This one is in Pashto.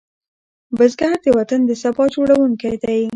بزګر د وطن د سبا جوړوونکی دی